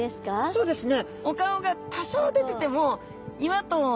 そうですね。